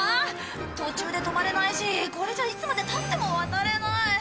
途中で止まれないしこれじゃいつまで経っても渡れない。